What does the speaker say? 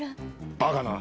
バカな！